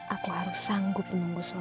aku harus sanggup menunggu